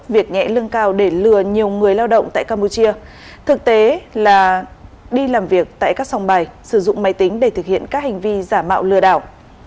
việc nhẹ lương cao để lừa nhiều người lao động tại campuchia thực tế là đi làm việc tại các sòng bài sử dụng máy tính để thực hiện các hành vi giả mạo lừa đảo